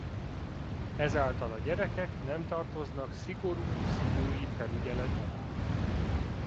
Ezáltal a gyerekek nem tartoznak szigorú szülői felügyelet alá.